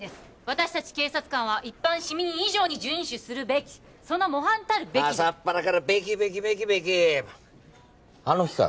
私達警察官は一般市民以上に順守するべきその模範たるべき朝っぱらからべきべきべきべきあの日か？